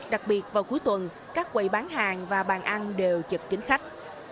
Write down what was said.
đặc biệt vào cuối tuần các quầy bán hàng và bàn ăn đều trực kính khách